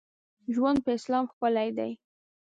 ژوند په اسلام ښکلی دی.